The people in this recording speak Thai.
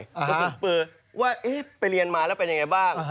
ก็คือว่าไปเรียนมาแล้วเป็นยังไงบ้าง